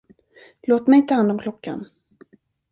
Låt mig ta hand om klockan!